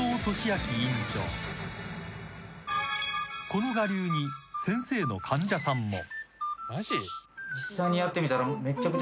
［この我流に先生の患者さんも］